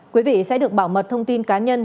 quý vị sẽ được bảo mật thông tin cá nhân